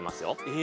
え？